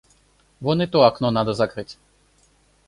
Вон и то окно надо закрыть.